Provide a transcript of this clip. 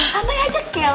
sampai aja kel